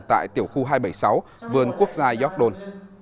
tại tiểu khu hai trăm bảy mươi sáu vườn quốc gia york don